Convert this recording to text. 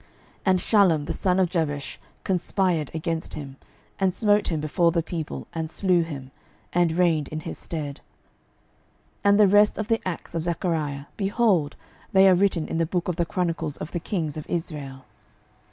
12:015:010 And Shallum the son of Jabesh conspired against him, and smote him before the people, and slew him, and reigned in his stead. 12:015:011 And the rest of the acts of Zachariah, behold, they are written in the book of the chronicles of the kings of Israel.